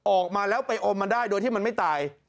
ออกมาแล้วไปอมมันได้โดยที่มันไม่ตาย